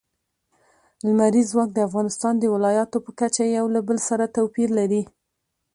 لمریز ځواک د افغانستان د ولایاتو په کچه یو له بل سره توپیر لري.